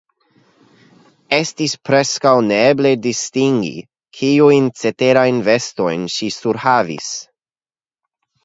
Estis preskaŭ neeble distingi, kiujn ceterajn vestojn ŝi surhavis.